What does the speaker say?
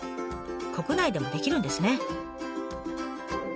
国内でもできるんですね。